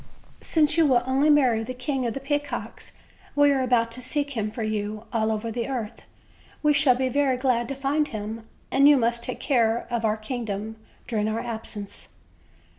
"Since you will only marry the King of the Peacocks, we are about to seek him for you, all over the earth. We shall be very glad to find him, and you must take care of our kingdom during our absence."